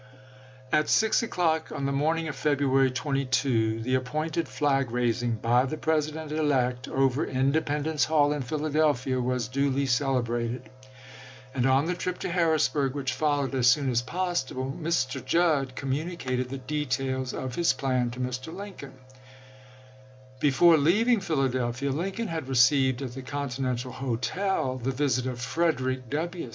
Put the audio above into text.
At 6 o'clock on the morning of February 22, the appointed flag raising by the President elect, over Independence Hall in Philadelphia, was duly cele brated, and on the trip to Harrisburg, which f ol LINCOLN'S SECEET NIGHT JOUENEY 311 lowed as soon as possible, Mr. Judd communicated chap. xx. the details of his plan to Mr. Lincoln. Before leaving Philadelphia Lincoln had received at the Continental Hotel the visit of Frederick W.